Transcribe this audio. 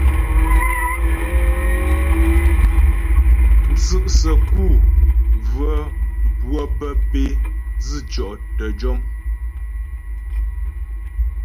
Mtsʉ' səku və́ wə́ bə́ pé dzʉtyɔ' təjɔm.